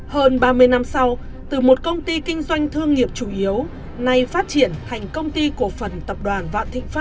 hơn ba mươi năm sau từ một công ty kinh doanh thương nghiệp chủ yếu nay phát triển thành công ty cổ phần tập đoàn vạn thịnh pháp